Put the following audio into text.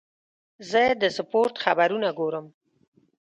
زه د سپورت خبرونه ګورم.